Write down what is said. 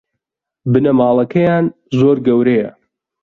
بنەماڵەکەیان زۆر گەورەیە